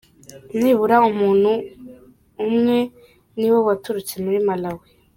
“Nibura umuntu umwe niwe waturutse muri Malawi.